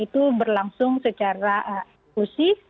itu berlangsung secara eksklusif